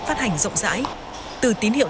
phát hành rộng rãi từ tín hiệu